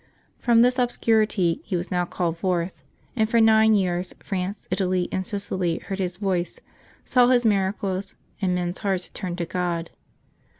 From this obscurity he was now called forth, and for nine years France, Italy, and Sicily heard his voice, saw his miracles, and men's hearts turned to God.